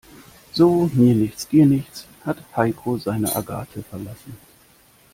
So mir nichts, dir nichts hat Heiko seine Agathe verlassen.